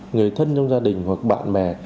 người thân trong gia đình hoặc bạn bè